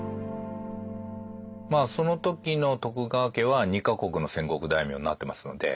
その時の徳川家は２か国の戦国大名になってますので。